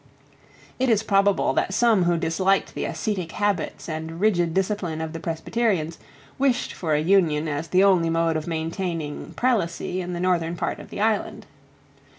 It is probable that some who disliked the ascetic habits and rigid discipline of the Presbyterians wished for an union as the only mode of maintaining prelacy in the northern part of the island.